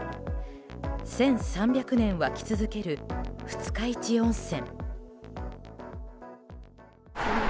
１３００年湧き続ける二日市温泉。